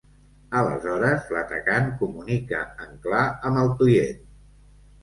Aleshores l'atacant comunica en clar amb el client.